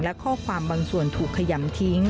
และข้อความบางส่วนถูกขยำทิ้ง